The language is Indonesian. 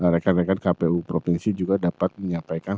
rekan rekan kpu provinsi juga dapat menyampaikan